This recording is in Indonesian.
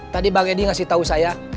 tadi mbak gedi ngasih tau saya